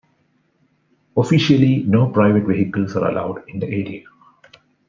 Officially, no private vehicles are allowed in the area.